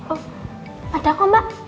oh ada kok mbak